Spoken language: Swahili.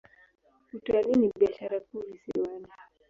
Utalii ni biashara kuu visiwani.